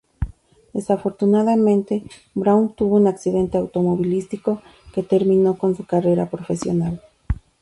Desafortunadamente Brown tuvo un accidente automovilístico que terminó con su carrera profesional.